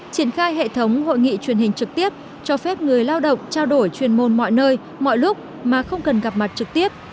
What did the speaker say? triển khai hệ thống hội nghị truyền hình trực tiếp cho phép người lao động trao đổi chuyên môn mọi nơi mọi lúc mà không cần gặp mặt trực tiếp